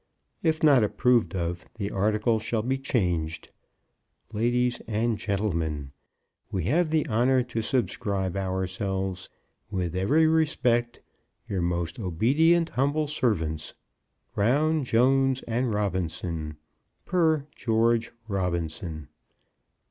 If not approved of the article shall be changed. Ladies and gentlemen, We have the honour to subscribe ourselves, With every respect, Your most obedient humble servants, BROWN, JONES, AND ROBINSON, PER GEORGE ROBINSON.